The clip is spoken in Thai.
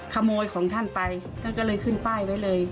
ของท่านไปท่านก็เลยขึ้นป้ายไว้เลย